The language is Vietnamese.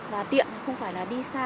và tiện không phải là đi xa